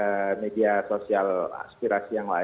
dari media sosial aspirasi yang wajar